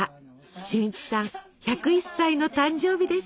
俊一さん１０１歳の誕生日です。